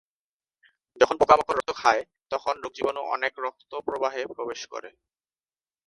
যখন পোকামাকড় রক্ত খায়, তখন রোগজীবাণু অনেক রক্ত প্রবাহে প্রবেশ করে।